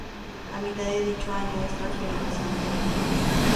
A mitad de dicho año es transferido a San Telmo.